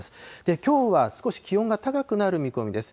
きょうは少し気温が高くなる見込みです。